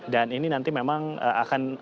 dan ini nanti memang akan